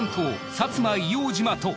薩摩硫黄島と。